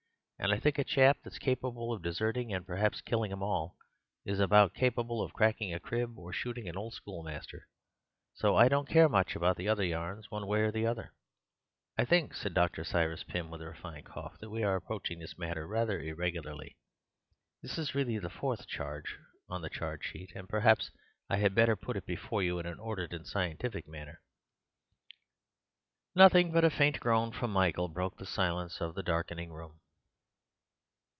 And I think a chap that's capable of deserting and perhaps killing 'em all is about capable of cracking a crib or shootin' an old schoolmaster—so I don't care much about the other yarns one way or another." "I think," said Dr. Cyrus Pym with a refined cough, "that we are approaching this matter rather irregularly. This is really the fourth charge on the charge sheet, and perhaps I had better put it before you in an ordered and scientific manner." Nothing but a faint groan from Michael broke the silence of the darkening room.